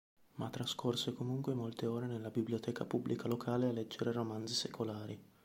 Ma trascorse comunque molte ore nella biblioteca pubblica locale a leggere romanzi secolari.